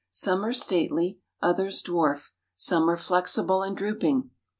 Some are stately, others dwarf, some are flexible and drooping.